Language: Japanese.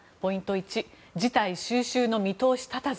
１事態収拾の見通し立たず。